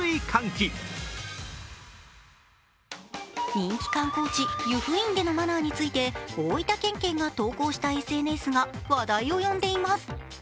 人気観光地・湯布院でのマナーについて大分県警が投稿したＳＮＳが話題を呼んでいます。